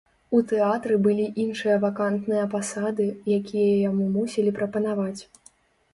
У тэатры былі іншыя вакантныя пасады, якія яму мусілі прапанаваць.